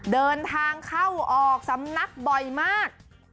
เดินทางเข้าออกสำนักบ่อยมาก